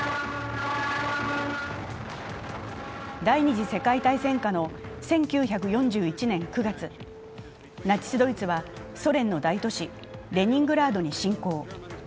第２次世界大戦下の１９４１年９月、ナチス・ドイツはソ連の大都市、レニングラードに侵攻。